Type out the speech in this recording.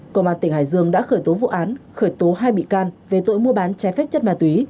công an tỉnh hải dương đã khởi tố vụ án khởi tố hai bị can về tội mua bán trái phép chất ma túy